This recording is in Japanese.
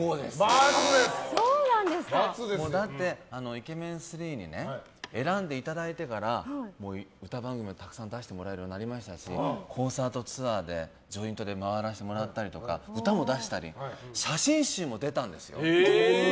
イケメン３にね選んでいただいてから歌番組をたくさん出してもらえるようになりましたしコンサートツアーでジョイントで回らせてもらったり歌も出したり写真集も出たんですよ。